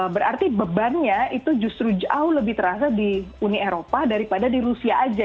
berarti bebannya itu justru jauh lebih terasa di uni eropa daripada di rusia aja